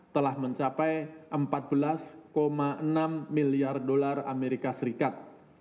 telah mencapai empat belas enam miliar dolar amerika serikat